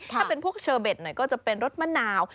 ถ้าเป็นพวกเชอเบ็ดหน่อยก็จะเป็นรสมะนาว